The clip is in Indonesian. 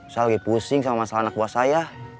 saya lagi pusing sama masalah anak buah saya